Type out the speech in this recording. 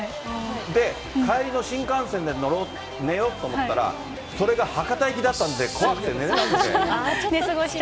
で、帰りの新幹線で寝ようと思ったら、それが博多行きだったんで、怖くて寝れなくて。